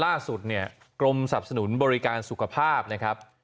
ล่าสุดเนี่ยกรมสับสนุนบริการสุขภาพนะครับ